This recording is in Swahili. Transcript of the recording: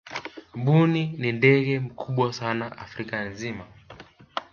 mbuni ni ndege mkubwa sana afrika nzima